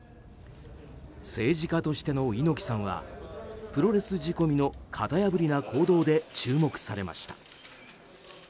政治家としての猪木さんはプロレス仕込みの型破りな行動で注目されました。